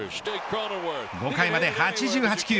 ５回まで８８球。